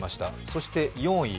そして４位、